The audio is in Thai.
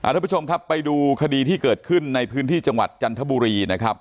ทุกผู้ชมครับไปดูคดีที่เกิดขึ้นในพื้นที่จังหวัดจันทบุรีนะครับ